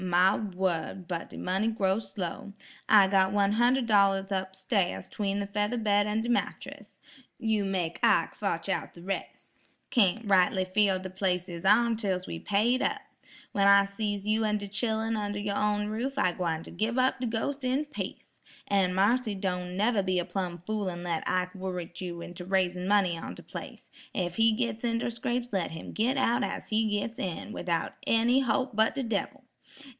"My wurd, but de money grow slow; I got one hunder' dollars up stairs 'tween the feather bed an' de mattress. You make Ike fotch out de res'. Cayn't rightly feel de place is ourn till we's paid up. When I sees you an' de chillun under your own roof, I gwine ter gib up de ghos' in peace. An' Marthy, don't neber be a plum fool an let Ike wurrit you into raisin' money on de place, ef he gits inter scrapes let him git out as he gits in, widout any holp but de debbil.